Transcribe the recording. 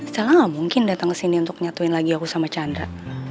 stella gak mungkin datang kesini untuk nyatuin lagi aku sama chandra